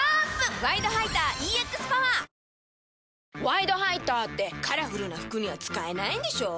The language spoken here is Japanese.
「ワイドハイター」ってカラフルな服には使えないんでしょ？